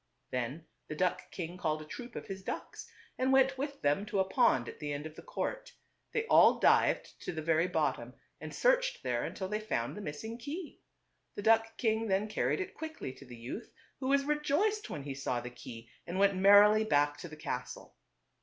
Then the duck king called a troop of his ducks and went with them to a pond at the end of the court. Thev \Vi all dived to the very \• J bottom and searched there until they found the missing key. The duck king then carried it quickly to the youth, who was rejoiced when he saw the key, and went merrily back to the castle.